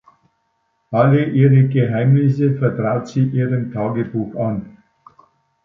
Alle ihre Geheimnisse vertraut sie ihrem Tagebuch an.